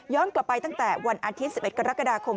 กลับไปตั้งแต่วันอาทิตย์๑๑กรกฎาคม